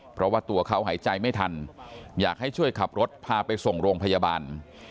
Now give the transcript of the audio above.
เพราะว่าตัวเขาหายใจไม่ทันอยากให้ช่วยขับรถพาไปส่งโรงพยาบาล